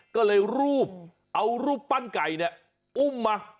ก็เลยรูปเอารูปปั้นไก่เนี่ยอุ้มมา